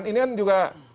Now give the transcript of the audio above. ini kan juga